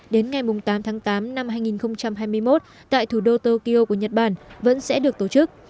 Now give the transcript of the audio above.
đến ngày tám tháng tám năm hai nghìn hai mươi một tại thủ đô tokyo của nhật bản vẫn sẽ được tổ chức